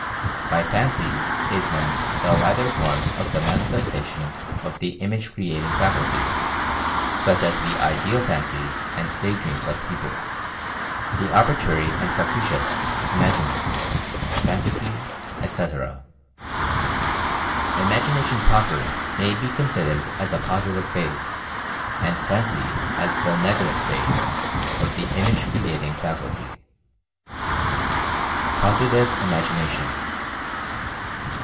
By "fancy" is meant the lighter forms of the manifestation of the image cre ating faculty, such as the ideal fancies and day dreams of people ; the arbitrary and capricious, imaginings ; fantasy, etc. "Imagination proper" may be consid ered as a Positive phase, and "Fancy" as the Nega tive phase, of the Image creating faculty. POSITIVE IMAGINATION.